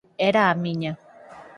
Era a miña...